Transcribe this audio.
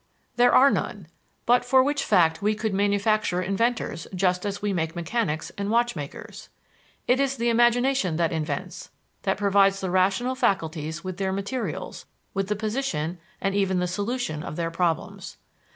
There are none; but for which fact we could manufacture inventors just as we make mechanics and watchmakers. It is the imagination that invents, that provides the rational faculties with their materials, with the position, and even the solution of their problems.